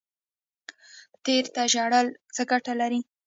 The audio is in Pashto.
تیر ته ژړل څه ګټه لري؟